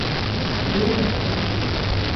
Мне гэта па душы.